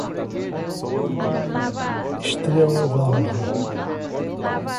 Estrela Dalva